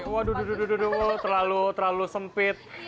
waduh terlalu sempit